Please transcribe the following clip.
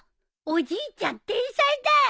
おじいちゃん天才だよ。